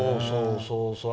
そうそう。